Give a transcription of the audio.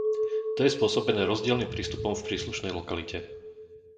To je spôsobené rozdielnym prístupom v príslušnej lokalite.